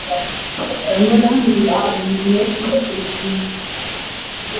Yamulangira obwenzi n'okumutulugunyanga.